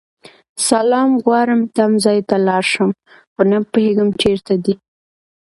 سلام غواړم تمځای ته لاړشم خو نه پوهيږم چیرته دی